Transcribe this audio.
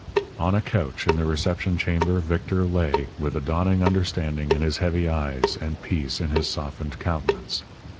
On a couch in the reception chamber Victor lay, with a dawning understanding in his heavy eyes and peace in his softened countenance.